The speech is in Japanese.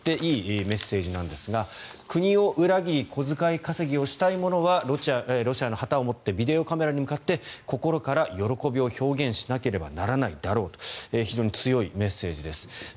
警告といっていいメッセージですが国を裏切り小遣い稼ぎをしたい者はロシアの旗を持ちビデオカメラに向かって心から喜びを表現しなければならないだろうと非常に強いメッセージです。